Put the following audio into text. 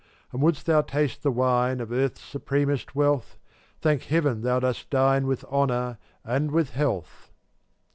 And wouldst thou taste the wine Of earth's supremest wealth, Thank heaven thou dost dine With Honor and with Health.